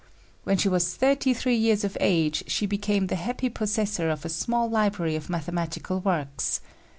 When she was thirty three years of age she became the happy possessor of a small library of mathematical works.